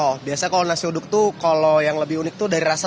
oh biasanya kalau nasi uduk tuh kalau yang lebih unik itu dari rasa